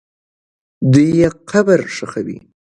دوی یې قبر ښخوي.